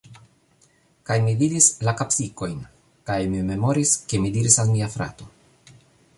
Kaj mi vidis la kapsikojn kaj mi memoris ke mi diris al mia frato: